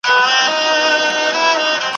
بیا فرنګ په وینو رنګ وي بیا مي ږغ د اکبرخان کې